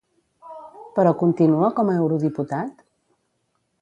Però continua com a eurodiputat?